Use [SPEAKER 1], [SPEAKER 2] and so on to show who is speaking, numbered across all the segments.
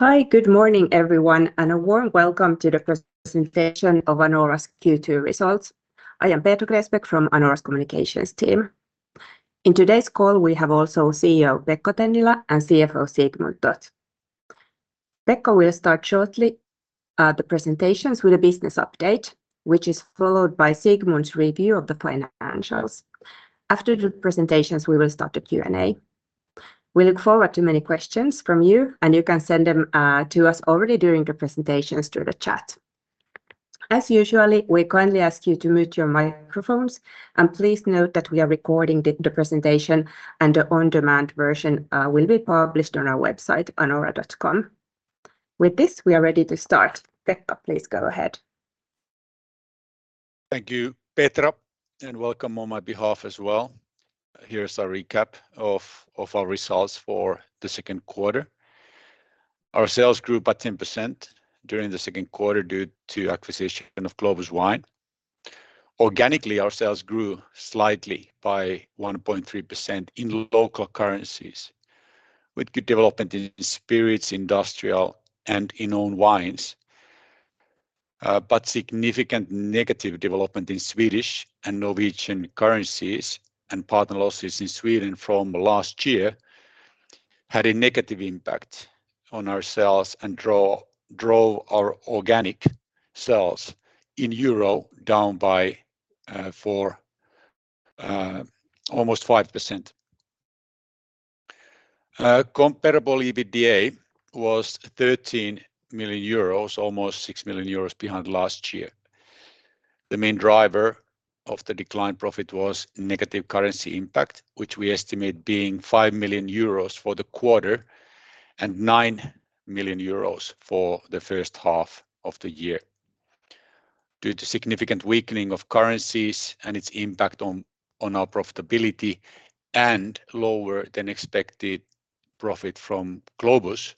[SPEAKER 1] Hi, good morning, everyone, and a warm welcome to the presentation of Anora's Q2 results. I am Petra Gräsbeck from Anora's Communications team. In today's call, we have also CEO, Pekka Tennilä, and CFO, Sigmund Toth. Pekka will start shortly, the presentations with a business update, which is followed by Sigmund's review of the financials. After the presentations, we will start the Q&A. We look forward to many questions from you, and you can send them to us already during the presentations through the chat. As usual, we kindly ask you to mute your microphones, and please note that we are recording the presentation, and the on-demand version will be published on our website, anora.com. With this, we are ready to start. Pekka, please go ahead.
[SPEAKER 2] Thank you, Petra, and welcome on my behalf as well. Here's a recap of our results for the Q2. Our sales grew by 10% during the Q2 due to acquisition of Globus Wine. Organically, our sales grew slightly by 1.3% in local currencies, with good development in spirits, industrial, and in own wines. But significant negative development in Swedish and Norwegian currencies and partner losses in Sweden from last year had a negative impact on our sales and drove our organic sales in euro down by almost 5%. Comparable EBITDA was 13 million euros, almost 6 million euros behind last year. The main driver of the decline profit was negative currency impact, which we estimate being 5 million euros for the quarter and 9 million euros for the first half of the year. Due to significant weakening of currencies and its impact on our profitability and lower than expected profit from Globus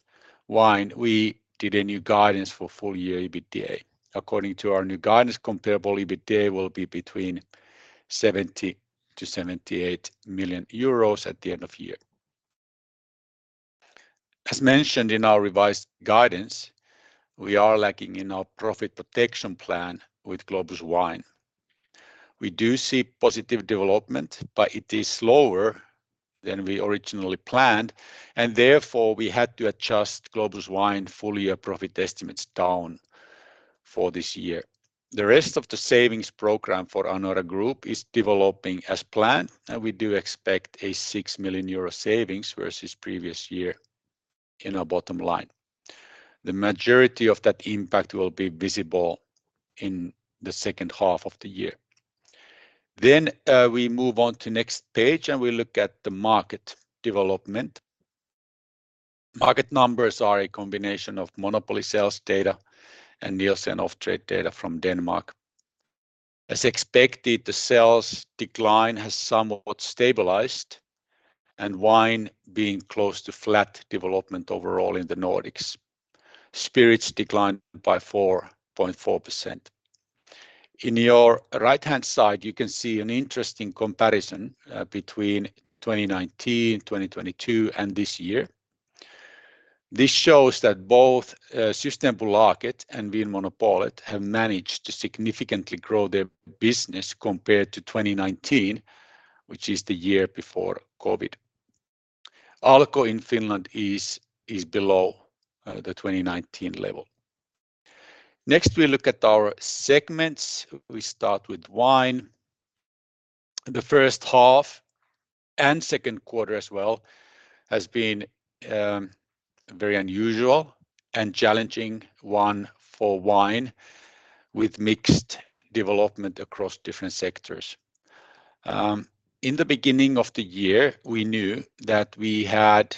[SPEAKER 2] Wine, we did a new guidance for full-year EBITDA. According to our new guidance, comparable EBITDA will be between 70 million-78 million euros at the end of year. As mentioned in our revised guidance, we are lacking in our profit protection plan with Globus Wine. We do see positive development, but it is slower than we originally planned, and therefore, we had to adjust Globus Wine full-year profit estimates down for this year. The rest of the savings program for Anora Group is developing as planned, and we do expect a 6 million euro savings versus previous year in our bottom line. The majority of that impact will be visible in the second half of the year. Then, we move on to next page, and we look at the market development. Market numbers are a combination of monopoly sales data and Nielsen off-trade data from Denmark. As expected, the sales decline has somewhat stabilized, and wine being close to flat development overall in the Nordics. Spirits declined by 4.4%. On the right-hand side, you can see an interesting comparison between 2019, 2022, and this year. This shows that both Systembolaget and Vinmonopolet have managed to significantly grow their business compared to 2019, which is the year before COVID. Alko in Finland is below the 2019 level. Next, we look at our segments. We start with wine. The first half and Q2 as well has been a very unusual and challenging one for wine, with mixed development across different sectors. In the beginning of the year, we knew that we had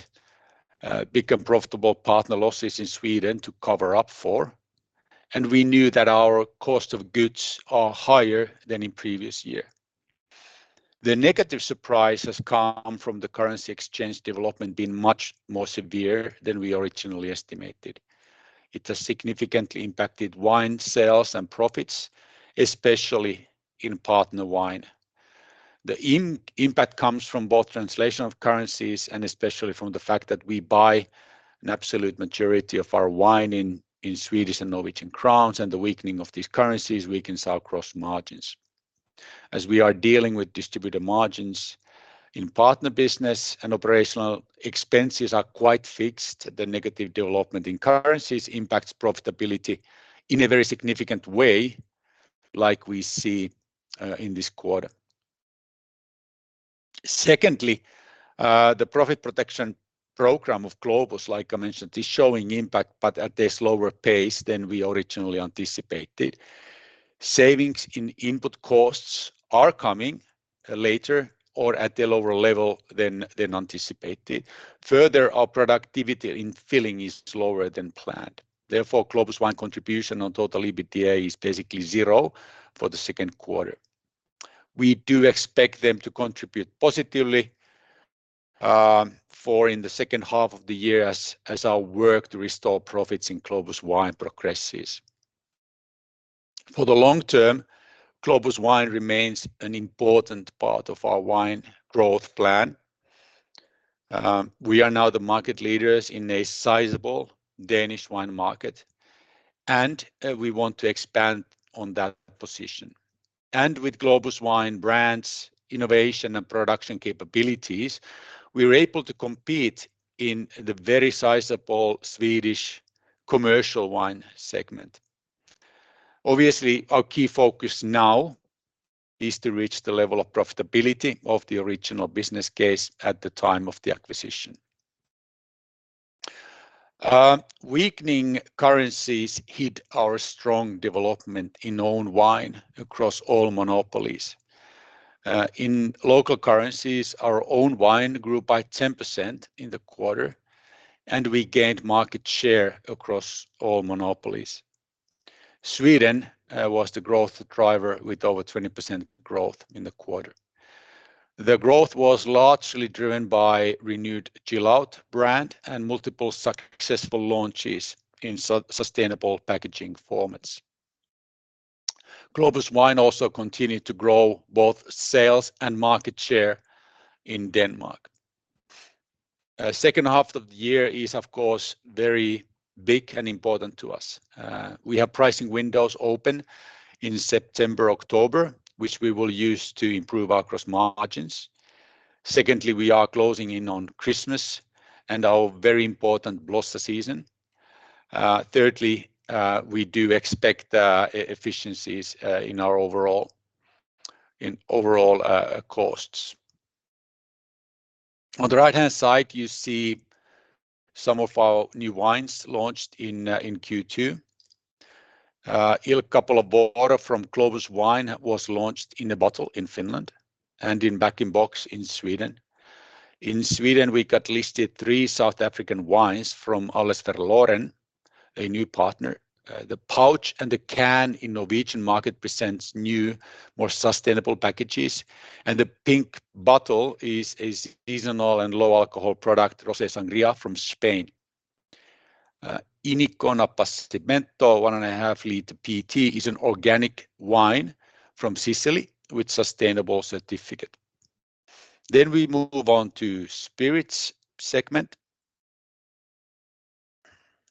[SPEAKER 2] big and profitable partner losses in Sweden to cover up for, and we knew that our cost of goods are higher than in previous year. The negative surprise has come from the currency exchange development being much more severe than we originally estimated. It has significantly impacted wine sales and profits, especially in partner wine. The impact comes from both translation of currencies and especially from the fact that we buy an absolute majority of our wine in Swedish and Norwegian crowns, and the weakening of these currencies weakens our gross margins. As we are dealing with distributor margins in partner business and operational expenses are quite fixed, the negative development in currencies impacts profitability in a very significant way, like we see in this quarter. Secondly, the profit protection program of Globus, like I mentioned, is showing impact, but at a slower pace than we originally anticipated. Savings in input costs are coming later or at a lower level than anticipated. Further, our productivity in filling is slower than planned. Therefore, Globus Wine contribution on total EBITDA is basically zero for the Q2. We do expect them to contribute positively, for in the second half of the year as our work to restore profits in Globus Wine progresses. For the long term, Globus Wine remains an important part of our wine growth plan. We are now the market leaders in a sizable Danish wine market, and we want to expand on that position. And with Globus Wine brands, innovation, and production capabilities, we are able to compete in the very sizable Swedish commercial wine segment. Obviously, our key focus now is to reach the level of profitability of the original business case at the time of the acquisition. Weakening currencies hit our strong development in own wine across all monopolies. In local currencies, our own wine grew by 10% in the quarter, and we gained market share across all monopolies. Sweden was the growth driver with over 20% growth in the quarter. The growth was largely driven by renewed Chill Out brand and multiple successful launches in sustainable packaging formats. Globus Wine also continued to grow both sales and market share in Denmark. Second half of the year is, of course, very big and important to us. We have pricing windows open in September, October, which we will use to improve our gross margins. Secondly, we are closing in on Christmas and our very important Blossa season. Thirdly, we do expect efficiencies in our overall costs. On the right-hand side, you see some of our new wines launched in Q2. Il Capolavoro from Globus Wine was launched in a bottle in Finland and in bag-in-box in Sweden. In Sweden, we got listed three South African wines from Allesverloren, a new partner. The pouch and the can in Norwegian market presents new, more sustainable packages, and the pink bottle is a seasonal and low-alcohol product, Rosé Sangria from Spain. Inycon Appassimento, 1.5-liter PET, is an organic wine from Sicily with sustainable certificate. Then we move on to spirits segment.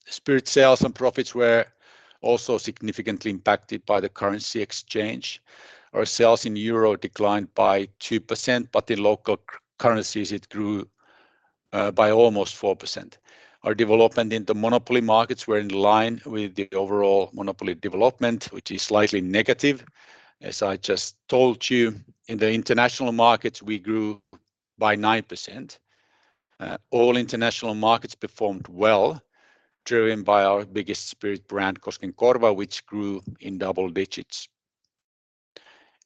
[SPEAKER 2] Spirit sales and profits were also significantly impacted by the currency exchange. Our sales in euros declined by 2%, but in local currencies, it grew by almost 4%. Our development in the monopoly markets were in line with the overall monopoly development, which is slightly negative. As I just told you, in the international markets, we grew by 9%. All international markets performed well, driven by our biggest spirit brand, Koskenkorva, which grew in double digits.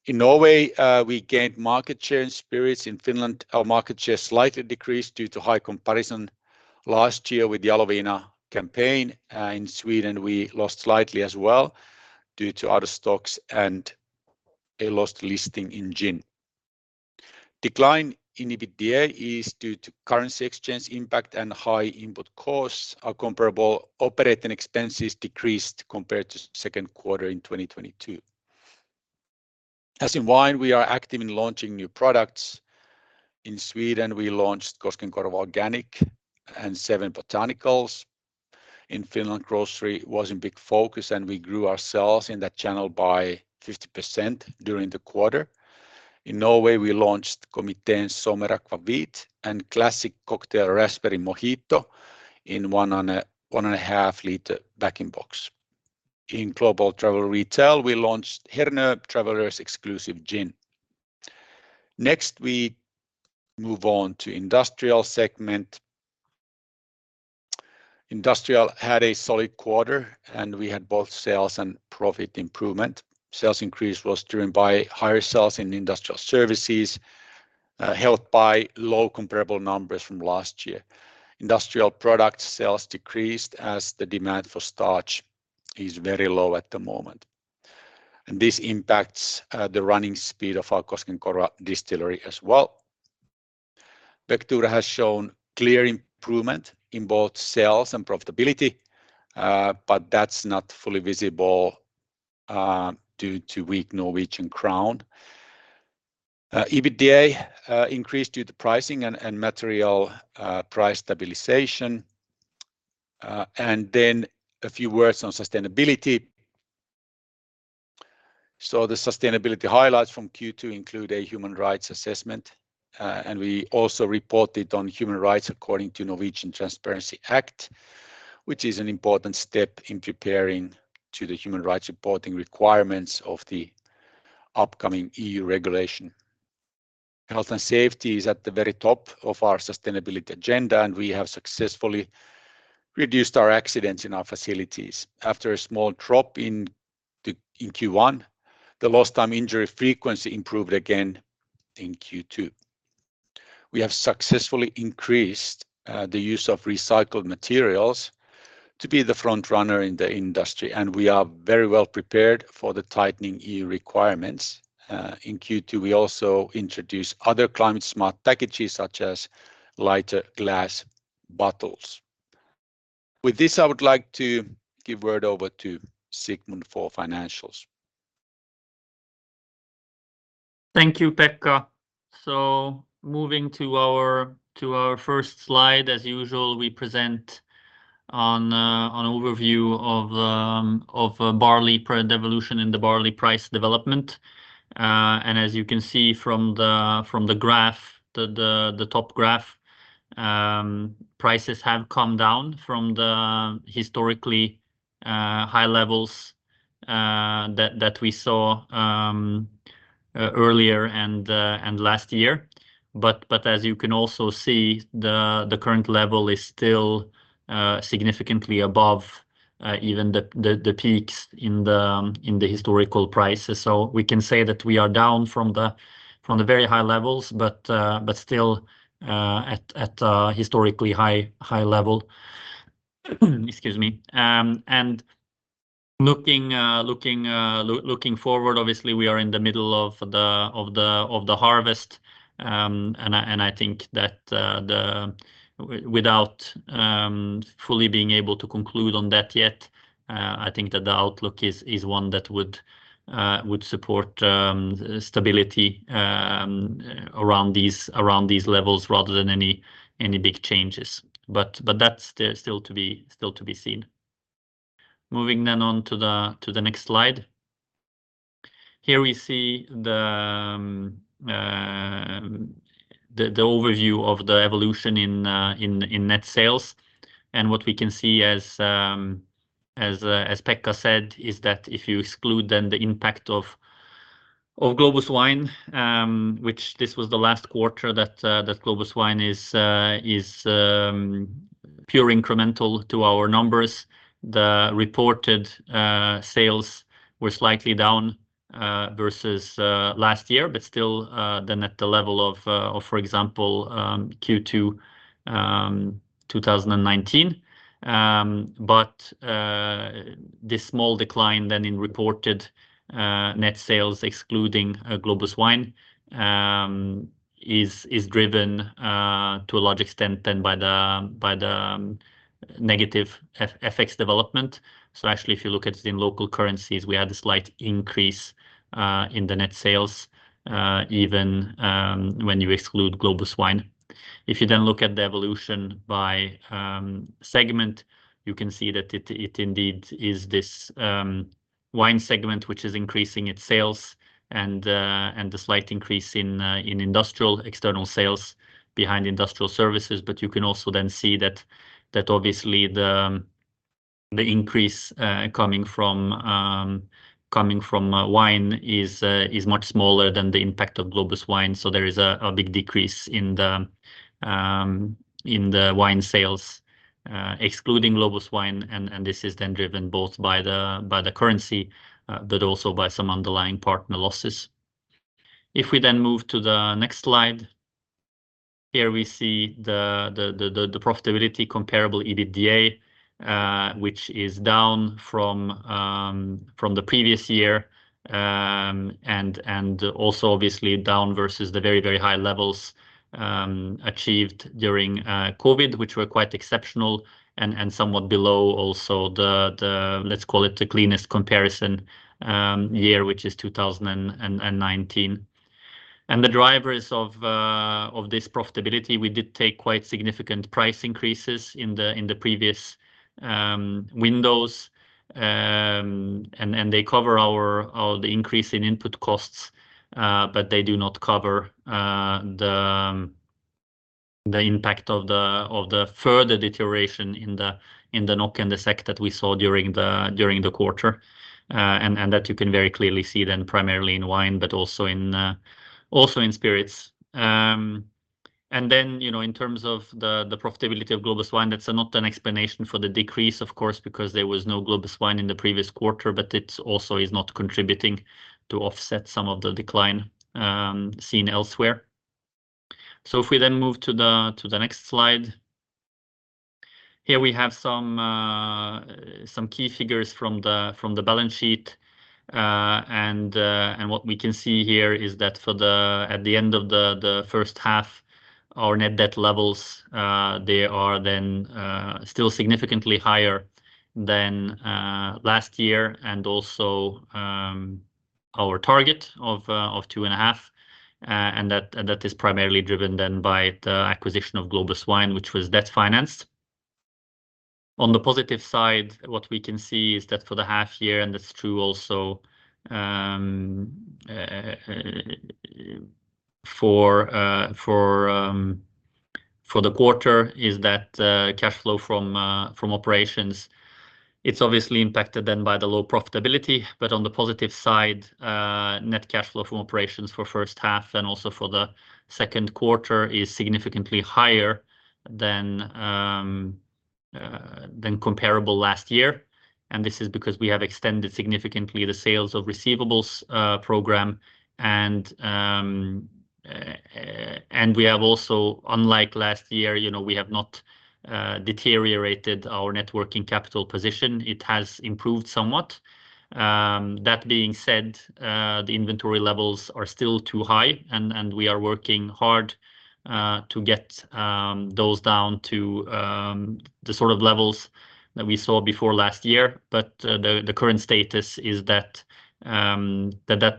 [SPEAKER 2] In Norway, we gained market share in spirits. In Finland, our market share slightly decreased due to high comparison last year with the Jaloviina campaign. In Sweden, we lost slightly as well due to other stocks and a lost listing in gin. Decline in EBITDA is due to currency exchange impact and high input costs. Our comparable operating expenses decreased compared to Q2 in 2022. As in wine, we are active in launching new products. In Sweden, we launched Koskenkorva Organic and 7 Botanicals. In Finland, grocery was in big focus, and we grew our sales in that channel by 50% during the quarter. In Norway, we launched Komiteens Sommeraquavit and Classic Cocktail Raspberry Mojito in one and a half liter bag-in-box. In global travel retail, we launched Hernö Traveller's Exclusive Gin. Next, we move on to industrial segment. Industrial had a solid quarter, and we had both sales and profit improvement. Sales increase was driven by higher sales in industrial services, helped by low comparable numbers from last year. Industrial product sales decreased as the demand for starch is very low at the moment, and this impacts the running speed of our Koskenkorva Distillery as well. Vectura has shown clear improvement in both sales and profitability, but that's not fully visible due to weak Norwegian krone. EBITDA increased due to pricing and material price stabilization. And then a few words on sustainability. So the sustainability highlights from Q2 include a human rights assessment, and we also reported on human rights according to Norwegian Transparency Act, which is an important step in preparing to the human rights reporting requirements of the upcoming EU regulation. Health and safety is at the very top of our sustainability agenda, and we have successfully reduced our accidents in our facilities. After a small drop in Q1, the lost time injury frequency improved again in Q2. We have successfully increased the use of recycled materials to be the front runner in the industry, and we are very well prepared for the tightening EU requirements. In Q2, we also introduced other climate-smart packages, such as lighter glass bottles. With this, I would like to give word over to Sigmund for financials.
[SPEAKER 3] Thank you, Pekka. So moving to our first slide, as usual, we present an overview of barley price evolution and the barley price development. And as you can see from the graph, the top graph, prices have come down from the historically high levels that we saw earlier and last year. But as you can also see, the current level is still significantly above even the peaks in the historical prices. So we can say that we are down from the very high levels, but still at historically high level. Excuse me. And looking forward, obviously, we are in the middle of the harvest. I think that without fully being able to conclude on that yet, I think that the outlook is one that would support stability around these levels, rather than any big changes. But that's still to be seen. Moving on to the next slide. Here we see the overview of the evolution in net sales. And what we can see, as Pekka said, is that if you exclude the impact of Globus Wine, which this was the last quarter that Globus Wine is pure incremental to our numbers, the reported sales were slightly down versus last year. But still, then at the level of, for example, Q2 2019. But this small decline then in reported net sales, excluding Globus Wine, is driven to a large extent then by the negative FX development. So actually, if you look at it in local currencies, we had a slight increase in the net sales, even when you exclude Globus Wine. If you then look at the evolution by segment, you can see that it indeed is this wine segment, which is increasing its sales and the slight increase in industrial external sales behind industrial services. But you can also then see that obviously the increase coming from wine is much smaller than the impact of Globus Wine, so there is a big decrease in the wine sales excluding Globus Wine. And this is then driven both by the currency but also by some underlying partner losses. If we then move to the next slide, here we see the profitability comparable EBITDA, which is down from the previous year and also obviously down versus the very high levels achieved during COVID, which were quite exceptional and somewhat below also the, let's call it, the cleanest comparison year, which is 2019. And the drivers of this profitability, we did take quite significant price increases in the previous windows. And they cover our the increase in input costs, but they do not cover the impact of the further deterioration in the NOK and the SEK that we saw during the quarter. And that you can very clearly see then primarily in wine, but also in spirits. And then, you know, in terms of the profitability of Globus Wine, that's not an explanation for the decrease, of course, because there was no Globus Wine in the previous quarter, but it also is not contributing to offset some of the decline seen elsewhere. So if we then move to the next slide. Here we have some key figures from the balance sheet. What we can see here is that at the end of the first half, our net debt levels, they are then still significantly higher than last year, and also our target of 2.5. That is primarily driven then by the acquisition of Globus Wine, which was debt-financed. On the positive side, what we can see is that for the half year, and that's true also for the quarter, is that cash flow from operations, it's obviously impacted then by the low profitability. But on the positive side, net cash flow from operations for first half and also for the Q2 is significantly higher than comparable last year. And this is because we have extended significantly the sales of receivables program and we have also, unlike last year, you know, we have not deteriorated our net working capital position. It has improved somewhat. That being said, the inventory levels are still too high, and we are working hard to get those down to the sort of levels that we saw before last year. But the current status is that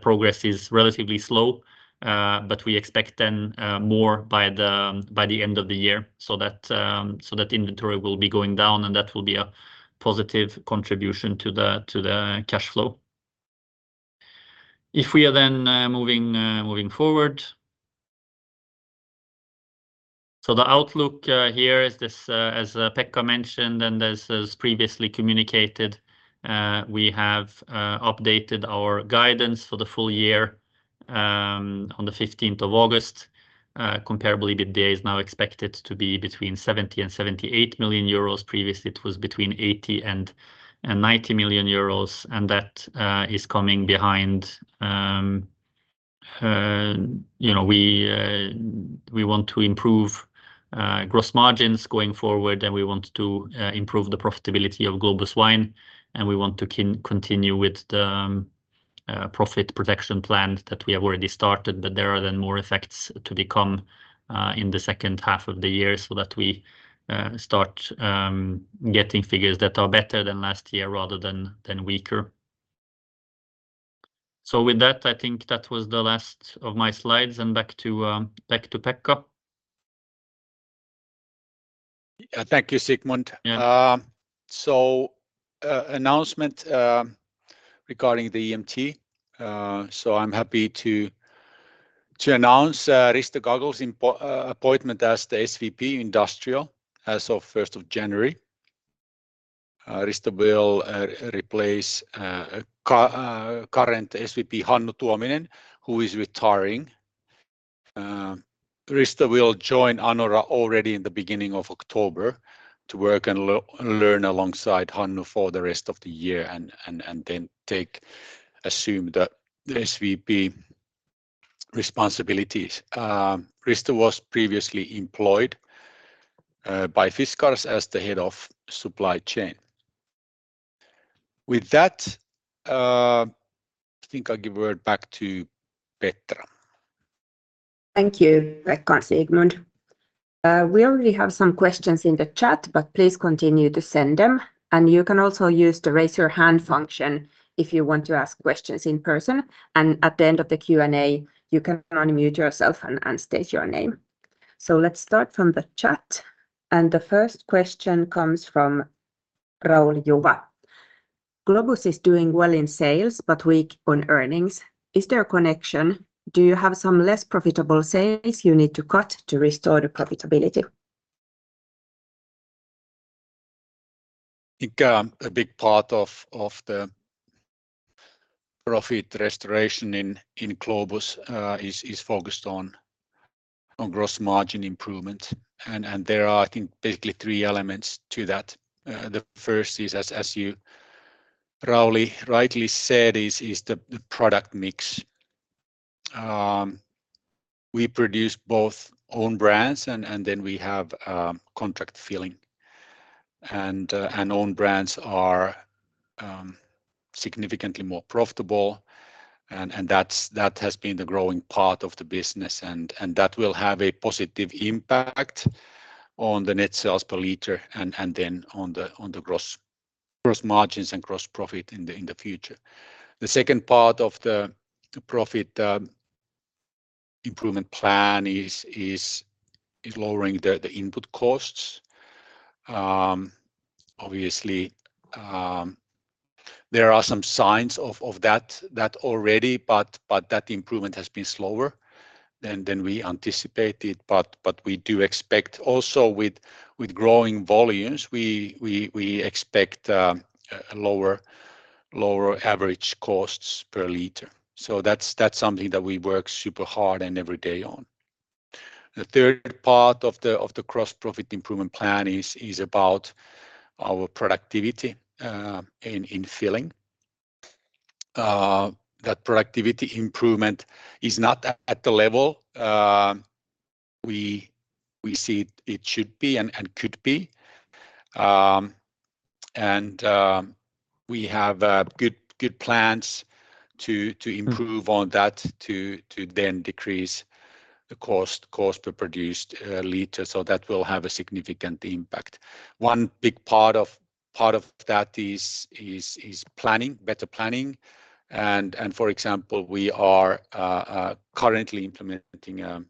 [SPEAKER 3] progress is relatively slow. But we expect then more by the end of the year. So that, so that inventory will be going down, and that will be a positive contribution to the cash flow. If we are then moving forward. So the outlook here is this, as Pekka mentioned, and as previously communicated, we have updated our guidance for the full year, on the fifteenth of August. Comparable EBITDA is now expected to be between 70 and 78 million euros. Previously, it was between 80 and 90 million euros, and that is coming behind. You know, we want to improve gross margins going forward, and we want to improve the profitability of Globus Wine, and we want to continue with the profit protection plan that we have already started. But there are then more effects to become in the second half of the year, so that we start getting figures that are better than last year rather than than weaker. So with that, I think that was the last of my slides, and back to back to Pekka.
[SPEAKER 2] Thank you, Sigmund.
[SPEAKER 3] Yeah.
[SPEAKER 2] So, announcement regarding the EMT. I'm happy to announce Risto Gaggl's appointment as the SVP Industrial as of first of January. Risto will replace current SVP Hannu Tuominen, who is retiring. Risto will join Anora already in the beginning of October to work and learn alongside Hannu for the rest of the year, and then assume the SVP responsibilities. Risto was previously employed by Fiskars as the head of supply chain. With that, I think I'll give word back to Petra.
[SPEAKER 1] Thank you, Pekka and Sigmund. We already have some questions in the chat, but please continue to send them, and you can also use the Raise Your Hand function if you want to ask questions in person. At the end of the Q&A, you can unmute yourself and state your name. Let's start from the chat, and the first question comes from Raul Juva. "Globus is doing well in sales, but weak on earnings. Is there a connection? Do you have some less profitable sales you need to cut to restore the profitability?
[SPEAKER 2] I think a big part of the profit restoration in Globus is focused on gross margin improvement. And there are, I think, basically three elements to that. The first is, as you, Raul, rightly said, the product mix. We produce both own brands and then we have contract filling. And own brands are significantly more profitable, and that's been the growing part of the business, and that will have a positive impact on the net sales per liter and then on the gross margins and gross profit in the future. The second part of the profit improvement plan is lowering the input costs. Obviously, there are some signs of that already, but that improvement has been slower than we anticipated. But we do expect also with growing volumes, we expect a lower average costs per liter. So that's something that we work super hard and every day on. The third part of the gross profit improvement plan is about our productivity in filling. That productivity improvement is not at the level we see it should be and could be. And we have good plans to improve on that, to then decrease the cost per produced liter, so that will have a significant impact. One big part of that is planning, better planning, and for example, we are currently implementing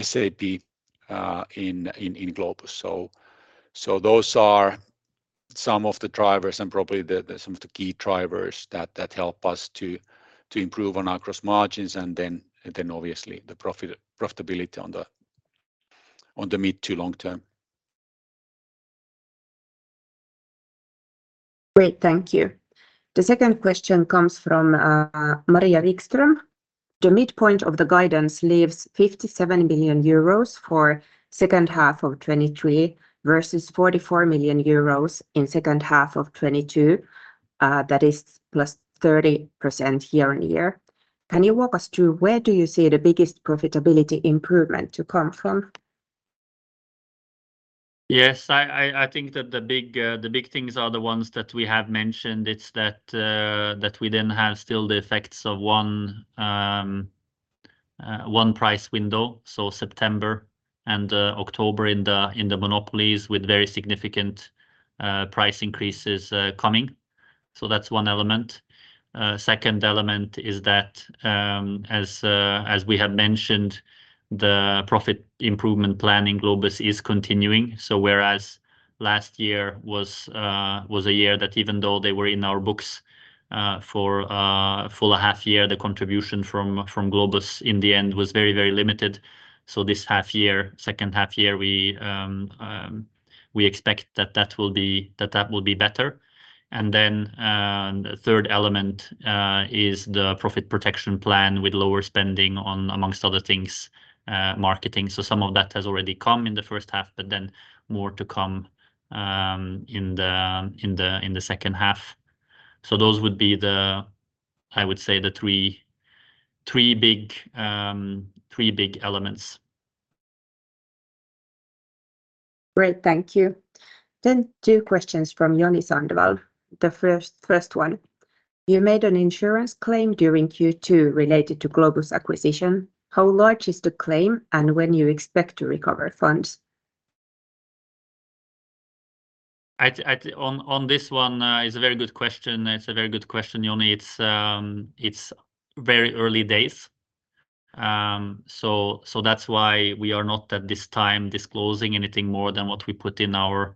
[SPEAKER 2] SAP in Globus. So those are some of the drivers and probably some of the key drivers that help us to improve on our gross margins, and then obviously the profitability on the mid- to long-term.
[SPEAKER 1] Great, thank you. The second question comes from Maria Wikström. "The midpoint of the guidance leaves 57 billion euros for second half of 2023 versus 44 million euros in second half of 2022. That is plus 30% year-on-year. Can you walk us through where do you see the biggest profitability improvement to come from?...
[SPEAKER 3] Yes, I think that the big things are the ones that we have mentioned. It's that we then have still the effects of one price window. So September and October in the monopolies with very significant price increases coming. So that's one element. Second element is that, as we have mentioned, the profit improvement plan in Globus is continuing. So whereas last year was a year that even though they were in our books for a full half year, the contribution from Globus in the end was very, very limited. So this half year, second half year, we expect that that will be better. Then, the third element is the profit protection plan with lower spending on, among other things, marketing. So some of that has already come in the first half, but then more to come in the second half. So those would be the... I would say the three big elements.
[SPEAKER 1] Great, thank you. Then two questions from Joni Sandvall. The first one: You made an insurance claim during Q2 related to Globus acquisition. How large is the claim, and when you expect to recover funds?
[SPEAKER 3] It's a very good question. It's a very good question, Joni. It's very early days. So that's why we are not, at this time, disclosing anything more than what we put in our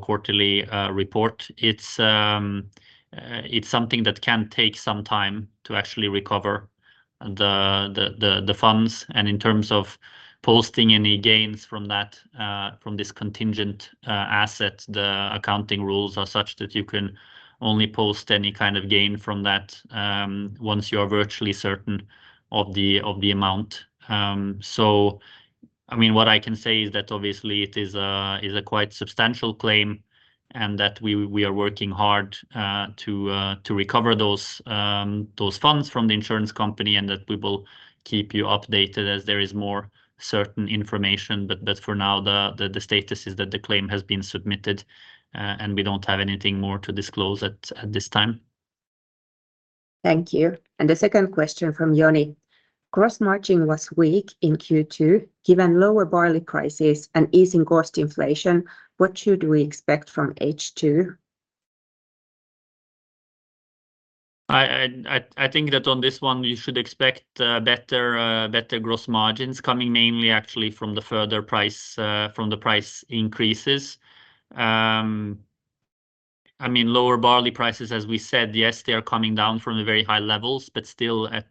[SPEAKER 3] quarterly report. It's something that can take some time to actually recover the funds. And in terms of posting any gains from that, from this contingent asset, the accounting rules are such that you can only post any kind of gain from that once you are virtually certain of the amount. So I mean, what I can say is that obviously it is a quite substantial claim, and that we are working hard to recover those funds from the insurance company, and that we will keep you updated as there is more certain information. But for now, the status is that the claim has been submitted, and we don't have anything more to disclose at this time.
[SPEAKER 1] Thank you. The second question from Joni: Gross margin was weak in Q2, given lower barley prices and easing cost inflation, what should we expect from H2?
[SPEAKER 3] I think that on this one, you should expect better gross margins coming mainly actually from the further price from the price increases. I mean, lower barley prices, as we said, yes, they are coming down from the very high levels, but still at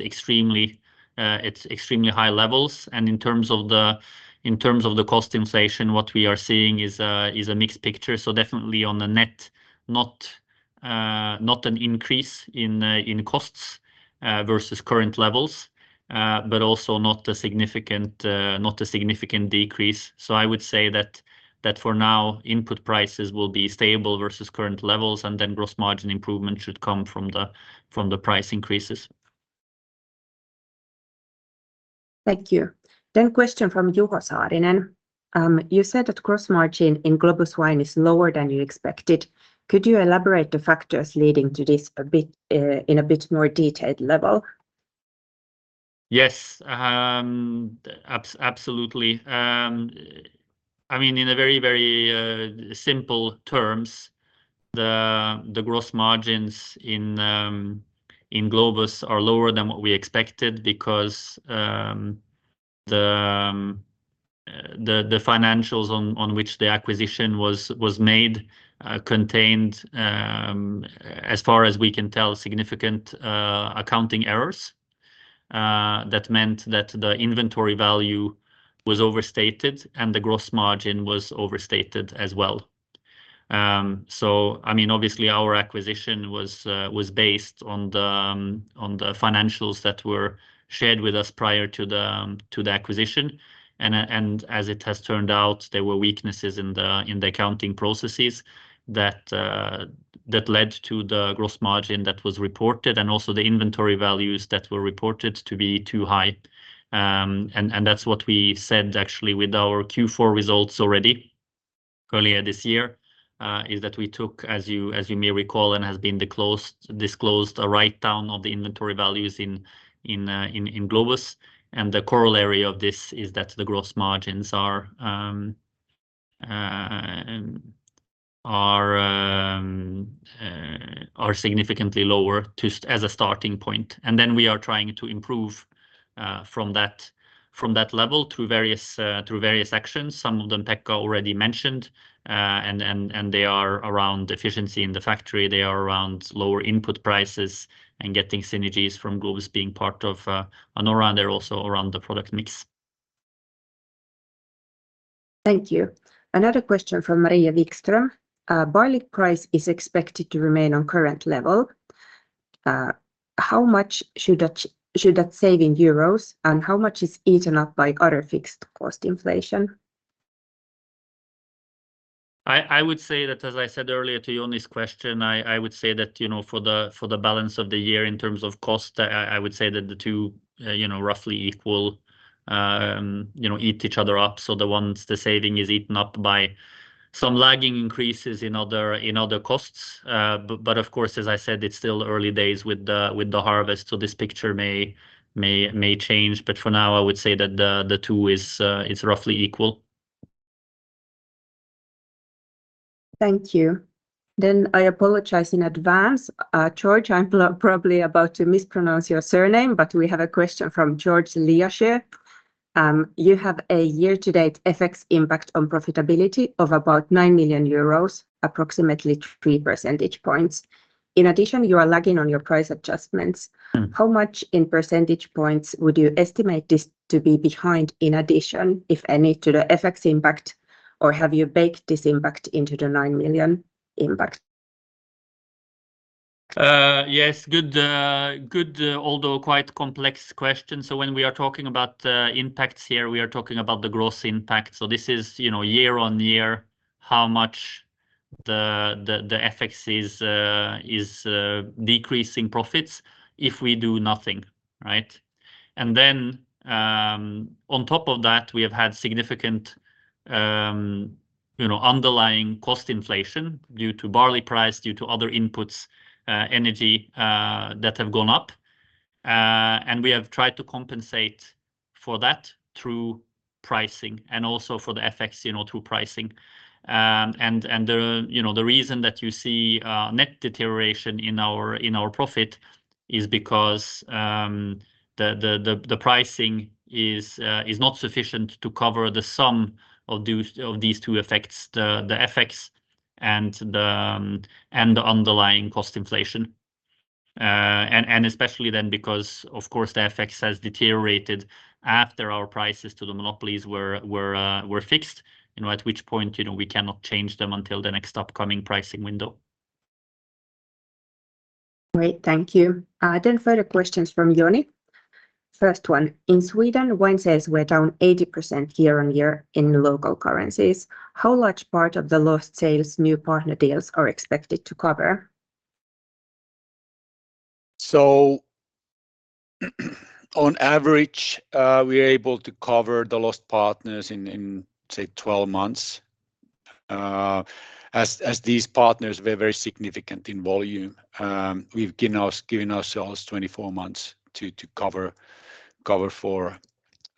[SPEAKER 3] extremely high levels. And in terms of the cost inflation, what we are seeing is a mixed picture. So definitely on the net, not an increase in costs versus current levels, but also not a significant decrease. So I would say that for now, input prices will be stable versus current levels, and then gross margin improvement should come from the price increases.
[SPEAKER 1] Thank you. Then question from Juho Saarinen. You said that gross margin in Globus Wine is lower than you expected. Could you elaborate the factors leading to this a bit, in a bit more detailed level?
[SPEAKER 3] Yes, absolutely. I mean, in a very, very simple terms, the gross margins in Globus are lower than what we expected because the financials on which the acquisition was made contained, as far as we can tell, significant accounting errors. That meant that the inventory value was overstated and the gross margin was overstated as well. So I mean, obviously, our acquisition was based on the financials that were shared with us prior to the acquisition. And as it has turned out, there were weaknesses in the accounting processes that led to the gross margin that was reported and also the inventory values that were reported to be too high. And that's what we said actually with our Q4 results already earlier this year, is that we took, as you may recall, and has been disclosed, a write-down of the inventory values in Globus. And the corollary of this is that the gross margins are significantly lower to as a starting point. And then we are trying to improve from that level through various actions. Some of them Pekka already mentioned, and they are around efficiency in the factory, they are around lower input prices and getting synergies from Globus being part of Anora, and they're also around the product mix.
[SPEAKER 1] Thank you. Another question from Maria Wikström. Barley price is expected to remain on current level. How much should that save in euros, and how much is eaten up by other fixed cost inflation?...
[SPEAKER 3] I would say that, as I said earlier to you on this question, I would say that, you know, for the balance of the year in terms of cost, I would say that the two, you know, roughly equal, eat each other up. So the ones, the saving is eaten up by some lagging increases in other costs. But of course, as I said, it's still early days with the harvest, so this picture may change, but for now, I would say that the two is roughly equal.
[SPEAKER 1] Thank you. Then I apologize in advance. George, I'm probably about to mispronounce your surname, but we have a question from Georg Lias. You have a year-to-date FX impact on profitability of about 9 million euros, approximately 3 percentage points. In addition, you are lagging on your price adjustments.
[SPEAKER 3] Mm.
[SPEAKER 1] How much in percentage points would you estimate this to be behind, in addition, if any, to the FX impact, or have you baked this impact into the 9 million impact?
[SPEAKER 3] Yes, good, good, although quite complex question. So when we are talking about, impacts here, we are talking about the gross impact. So this is, you know, year on year, how much the FX is decreasing profits if we do nothing, right? And then, on top of that, we have had significant, you know, underlying cost inflation due to barley price, due to other inputs, energy, that have gone up. And we have tried to compensate for that through pricing and also for the FX, you know, through pricing. And the reason that you see net deterioration in our profit is because the pricing is not sufficient to cover the sum of these two effects, the FX and the underlying cost inflation. And especially then, because, of course, the FX has deteriorated after our prices to the monopolies were fixed, you know, at which point, you know, we cannot change them until the next upcoming pricing window.
[SPEAKER 1] Great, thank you. Further questions from Joni. First one, in Sweden, wine sales were down 80% year-on-year in local currencies. How large part of the lost sales new partner deals are expected to cover?
[SPEAKER 2] So on average, we are able to cover the lost partners in, say, 12 months. As these partners were very significant in volume, we've given ourselves 24 months to cover for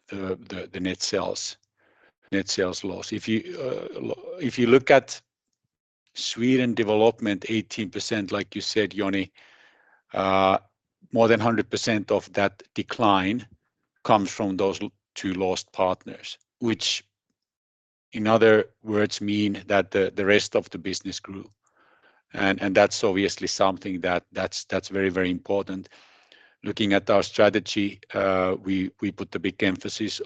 [SPEAKER 2] the net sales loss. If you look at Sweden development, 18%, like you said, Joni, more than 100% of that decline comes from those two lost partners, which in other words mean that the rest of the business grew. And that's obviously something that's very important. Looking at our strategy, we put a big emphasis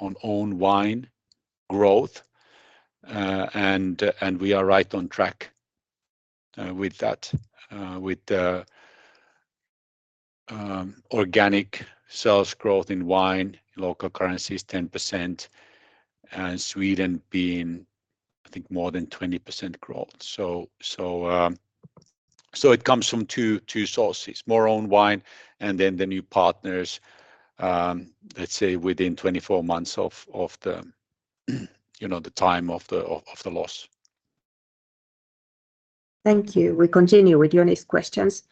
[SPEAKER 2] on own wine growth, and we are right on track with that. With the organic sales growth in wine, in local currencies, 10%, and Sweden being, I think, more than 20% growth. So it comes from two sources, more own wine and then the new partners, let's say within 24 months of, you know, the time of the loss.
[SPEAKER 1] Thank you. We continue with Joni's questions.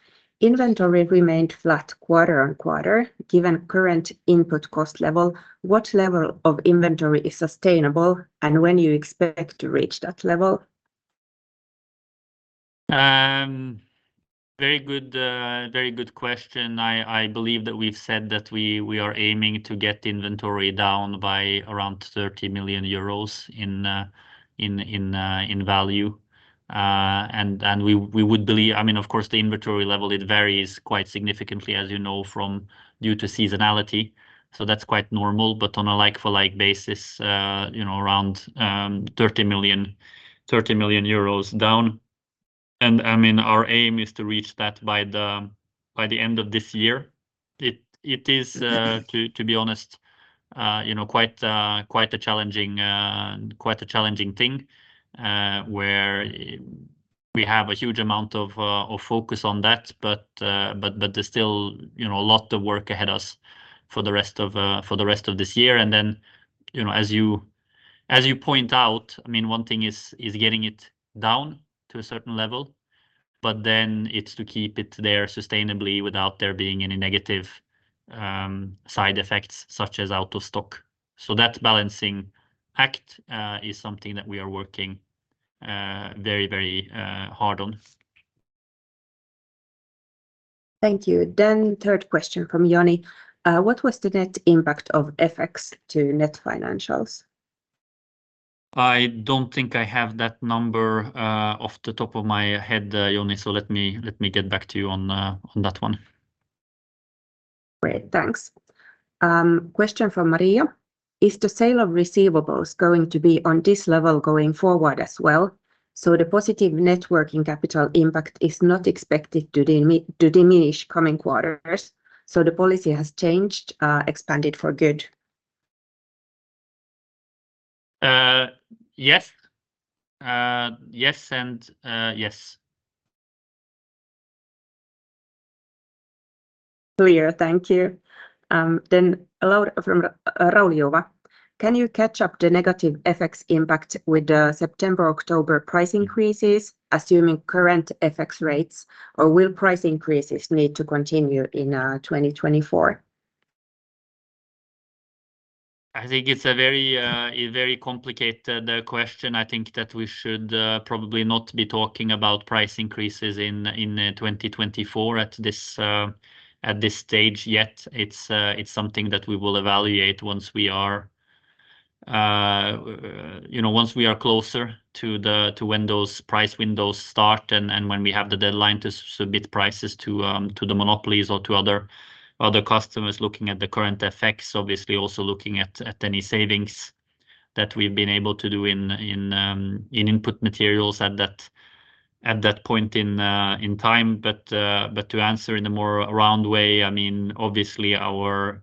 [SPEAKER 1] Inventory remained flat quarter-over-quarter. Given current input cost level, what level of inventory is sustainable, and when you expect to reach that level?
[SPEAKER 3] Very good, very good question. I believe that we've said that we are aiming to get the inventory down by around 30 million euros in value. And we would believe... I mean, of course, the inventory level, it varies quite significantly, as you know, due to seasonality, so that's quite normal. But on a like-for-like basis, you know, around 30 million euros, 30 million euros down. And I mean, our aim is to reach that by the end of this year. It is, to be honest, you know, quite a challenging thing, where we have a huge amount of focus on that, but there's still, you know, a lot of work ahead of us for the rest of this year. And then, you know, as you point out, I mean, one thing is getting it down to a certain level, but then it's to keep it there sustainably without there being any negative side effects, such as out of stock. So that balancing act is something that we are working very, very hard on.
[SPEAKER 1] Thank you. Then third question from Joni. What was the net impact of FX to net financials?
[SPEAKER 3] I don't think I have that number, off the top of my head, Joni, so let me, let me get back to you on, on that one.
[SPEAKER 1] Great, thanks. Question from Maria: Is the sale of receivables going to be on this level going forward as well? So the positive net working capital impact is not expected to diminish in coming quarters, so the policy has changed, expanded for good?
[SPEAKER 3] Yes. Yes, and yes.
[SPEAKER 1] Clear, thank you. Then, from Raul Juva: Can you catch up the negative effects impact with the September, October price increases, assuming current FX rates, or will price increases need to continue in 2024?
[SPEAKER 3] I think it's a very, a very complicated question. I think that we should probably not be talking about price increases in 2024 at this stage yet. It's something that we will evaluate once we are, you know, once we are closer to when those price windows start and when we have the deadline to submit prices to the monopolies or to other customers looking at the current effects. Obviously, also looking at any savings that we've been able to do in input materials at that point in time. But, but to answer in a more round way, I mean, obviously our,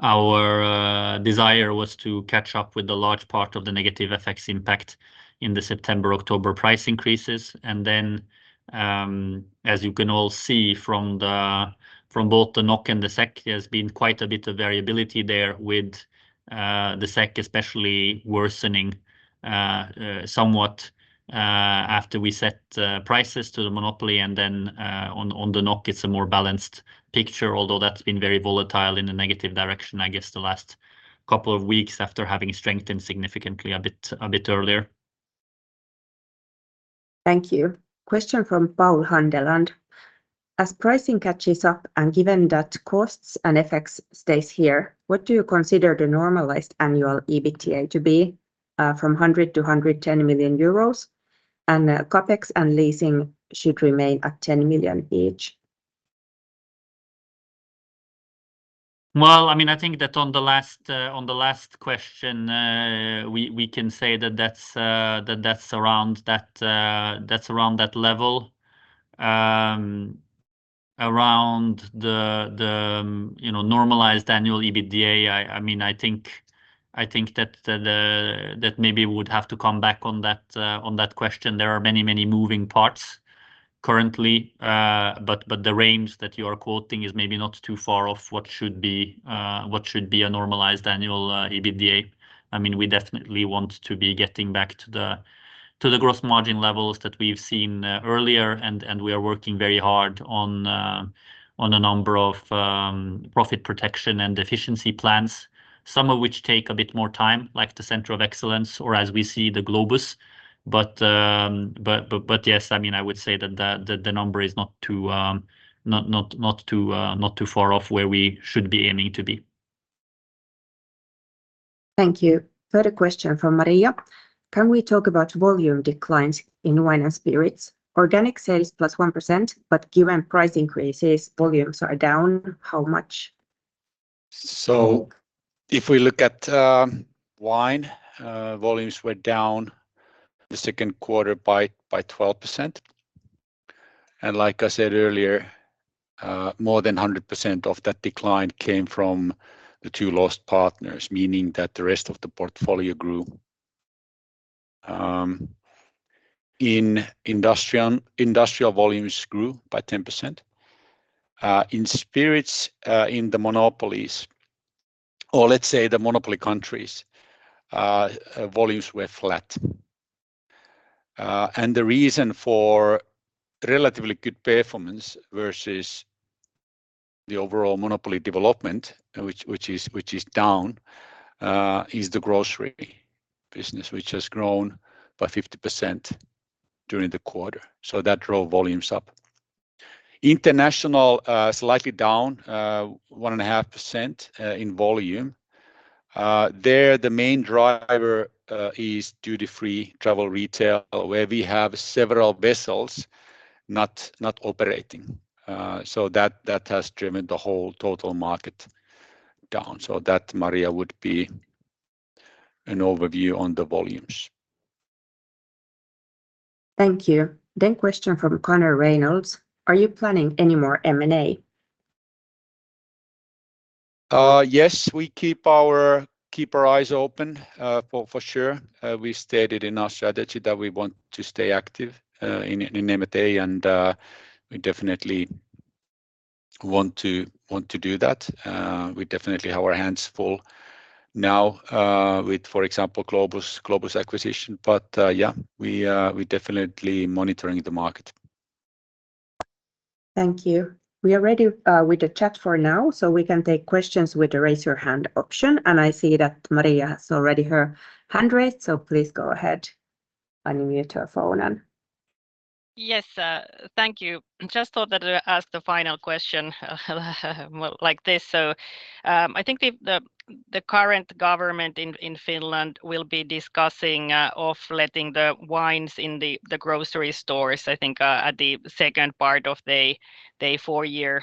[SPEAKER 3] our, desire was to catch up with a large part of the negative effects impact in the September, October price increases. And then, as you can all see from the, from both the NOK and the SEK, there's been quite a bit of variability there with, the SEK, especially worsening, somewhat, after we set, prices to the monopoly, and then, on, on the NOK, it's a more balanced picture, although that's been very volatile in a negative direction, I guess, the last couple of weeks after having strengthened significantly a bit, a bit earlier.
[SPEAKER 1] Thank you. Question from Paul Handeland: As pricing catches up, and given that costs and effects stays here, what do you consider the normalized annual EBITDA to be, from 100 million-110 million euros? And Capex and leasing should remain at 10 million each.
[SPEAKER 3] Well, I mean, I think that on the last, on the last question, we, we can say that that's, that that's around that, that's around that level. Around the, the, you know, normalized annual EBITDA, I, I mean, I think, I think that the, the... That maybe we would have to come back on that, on that question. There are many, many moving parts currently, but, but the range that you are quoting is maybe not too far off what should be, what should be a normalized annual, EBITDA. I mean, we definitely want to be getting back to the growth margin levels that we've seen earlier, and we are working very hard on a number of profit protection and efficiency plans, some of which take a bit more time, like the Center of Excellence or, as we see, the Globus. But yes, I mean, I would say that the number is not too far off where we should be aiming to be.
[SPEAKER 1] Thank you. Further question from Maria: Can we talk about volume declines in wine and spirits? Organic sales +1%, but given price increases, volumes are down. How much?
[SPEAKER 2] So if we look at wine, volumes were down the Q2 by 12%. And like I said earlier, more than 100% of that decline came from the two lost partners, meaning that the rest of the portfolio grew. In industrial volumes grew by 10%. In spirits, in the monopolies, or let's say the monopoly countries, volumes were flat. And the reason for relatively good performance versus the overall monopoly development, which is down, is the grocery business, which has grown by 50% during the quarter, so that drove volumes up. International, slightly down 1.5% in volume. There, the main driver is duty-free travel retail, where we have several vessels not operating. So that has driven the whole total market down. So that, Maria, would be an overview on the volumes.
[SPEAKER 1] Thank you. Question from Connor Reynolds: Are you planning any more M&A?
[SPEAKER 2] Yes, we keep our eyes open, for sure. We stated in our strategy that we want to stay active in M&A, and we definitely want to do that. We definitely have our hands full now with, for example, Globus acquisition. But yeah, we're definitely monitoring the market.
[SPEAKER 1] Thank you. We are ready with the chat for now, so we can take questions with the Raise Your Hand option. I see that Maria has already her hand raised, so please go ahead. Unmute your phone, and-
[SPEAKER 4] Yes, thank you. Just thought that I'd ask the final question like this. So, I think the current government in Finland will be discussing of letting the wines in the grocery stores, I think, at the second part of the four-year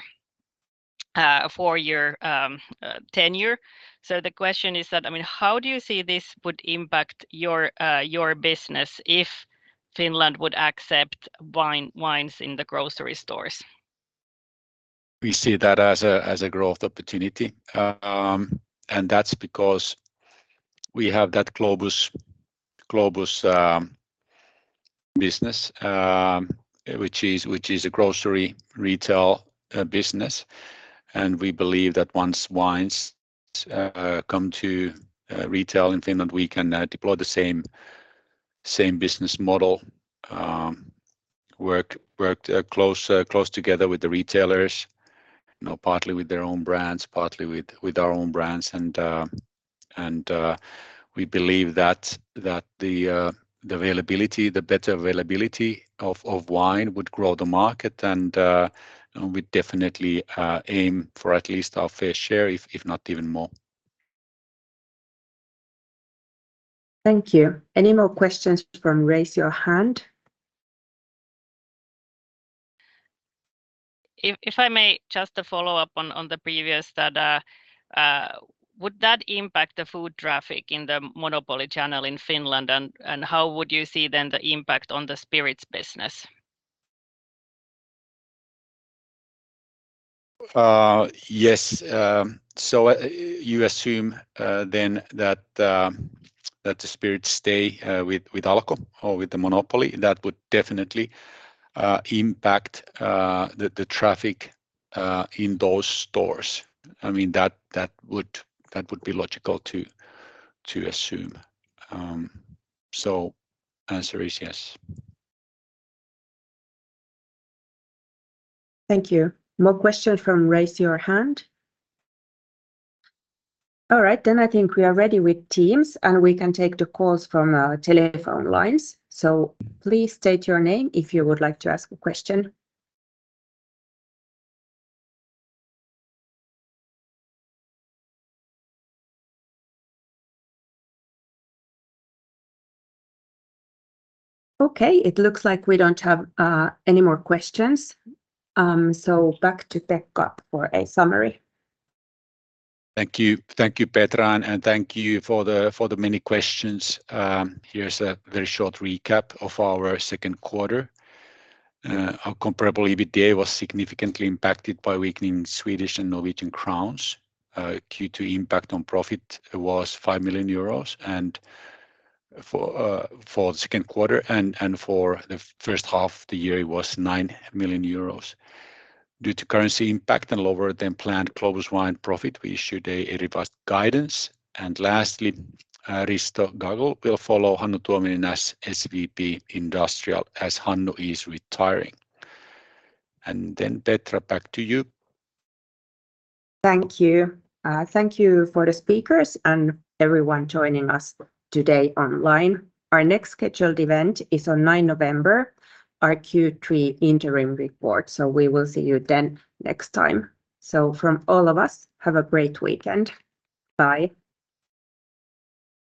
[SPEAKER 4] tenure. So the question is that, I mean, how do you see this would impact your business if Finland would accept wine, wines in the grocery stores?
[SPEAKER 2] We see that as a growth opportunity. And that's because we have that Globus business, which is a grocery retail business. And we believe that once wines come to retail in Finland, we can deploy the same business model. Work close together with the retailers, you know, partly with their own brands, partly with our own brands. And we believe that the better availability of wine would grow the market, and we definitely aim for at least our fair share, if not even more.
[SPEAKER 1] Thank you. Any more questions from Raise Your Hand?
[SPEAKER 4] If I may just a follow-up on the previous, that would impact the foot traffic in the monopoly channel in Finland? And how would you see then the impact on the spirits business?
[SPEAKER 2] Yes. So, you assume then that the spirits stay with Alko or with the monopoly. That would definitely impact the traffic in those stores. I mean, that would be logical to assume. So answer is yes.
[SPEAKER 1] Thank you. More questions from Raise Your Hand? All right, then I think we are ready with Teams, and we can take the calls from our telephone lines. So please state your name if you would like to ask a question. Okay, it looks like we don't have any more questions. So back to Pekka for a summary.
[SPEAKER 2] Thank you. Thank you, Petra, and thank you for the many questions. Here's a very short recap of our Q2. Our comparable EBITDA was significantly impacted by weakening Swedish and Norwegian crowns. Q2 impact on profit was 5 million euros, and for the Q2 and for the first half of the year, it was 9 million euros. Due to currency impact and lower than planned Globus Wine profit, we issued a revised guidance. Lastly, Risto Gaggl will follow Hannu Tuominen as SVP, Industrial, as Hannu is retiring. Then, Petra, back to you.
[SPEAKER 1] Thank you. Thank you for the speakers and everyone joining us today online. Our next scheduled event is on ninth November, our Q3 interim report, so we will see you then next time. From all of us, have a great weekend. Bye.